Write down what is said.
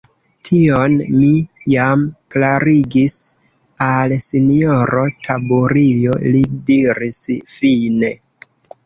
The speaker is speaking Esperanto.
Tion mi jam klarigis al sinjoro Taburio, li diris fine.